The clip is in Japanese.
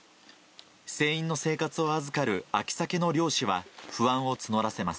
船員の生活を預かる秋サケの漁師は、不安を募らせます。